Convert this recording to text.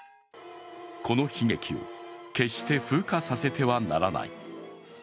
この悲劇を決して風化させてはならない。